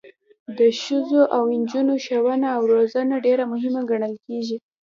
د ښځو او نجونو ښوونه او روزنه ډیره مهمه ګڼل کیږي.